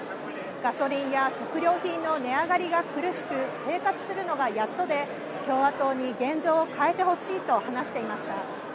ガソリンや食料品の値上がりが苦しく、生活するのがやっとで共和党に現状を変えてほしいと話していました。